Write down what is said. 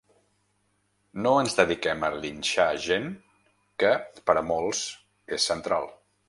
No ens dediquem a linxar gent que per a molts és central.